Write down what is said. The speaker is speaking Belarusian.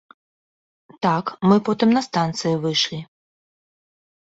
Так, мы потым на станцыі выйшлі.